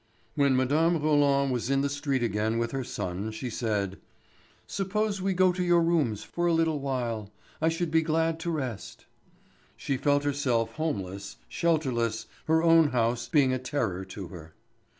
When Mme. Roland was in the street again with her son she said: "Suppose we go to your rooms for a little while. I should be glad to rest." She felt herself homeless, shelterless, her own house being a terror to her.